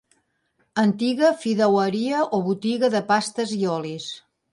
Antiga fideueria o botiga de pastes i olis.